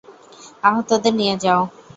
আহতদের নিয়ে যাও!